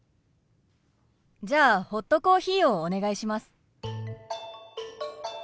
じゃあホットコーヒーをお願いします。